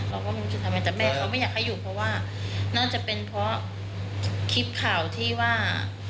เราก็ไม่รู้จะทำไมแต่แม่เขาไม่อยากให้อยู่เพราะว่าน่าจะเป็นเพราะคลิปข่าวที่ว่า